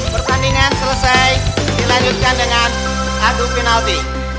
pertandingan selesai dilanjutkan dengan adu penalti